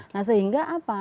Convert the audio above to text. nah sehingga apa